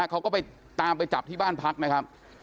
เขาก็ไปตามไปจับที่บ้านพักนะครับ